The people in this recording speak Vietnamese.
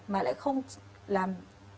mà lại không làm